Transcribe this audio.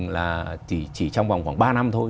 là chỉ trong vòng khoảng ba năm thôi